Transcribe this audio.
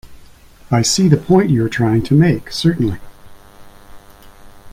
I see the point you are trying to make, certainly.